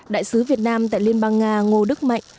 đại sứ việt nam tại liên bang nga ngô đức mạnh